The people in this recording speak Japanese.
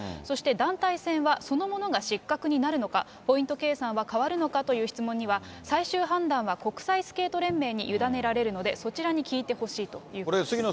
そして団体戦は、そのものが失格になるのか、ポイント計算は変わるのかという質問には、最終判断は国際スケート連盟に委ねられるので、そちらに聞いてほしいということです。